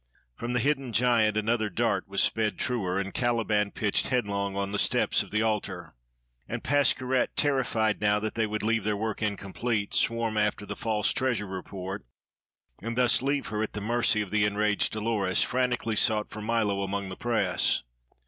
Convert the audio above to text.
From the hidden giant another dart was sped truer, and Caliban pitched headlong on the steps of the altar. And Pascherette, terrified now that they would leave their work incomplete, swarm after the false treasure report, and thus leave her at the mercy of the enraged Dolores, frantically sought for Milo among the press.